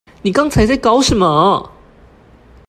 你剛才在搞什麼？